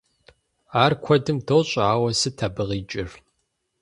Ар куэдым дощӏэ, ауэ сыт абы къикӏыр?